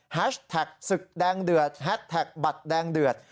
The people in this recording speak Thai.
แฮชแท็กศึกแดงเดือดแฮสแท็กบัตรแดงเดือด